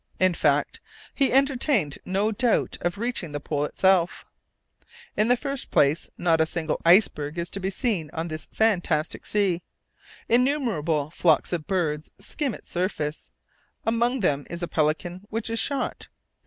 In fact he entertained no doubt of reaching the pole itself. In the first place, not a single iceberg is to be seen on this fantastic sea. Innumerable flocks of birds skim its surface, among them is a pelican which is shot.